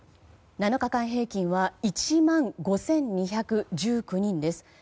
７日間平均は１万５２１９人です。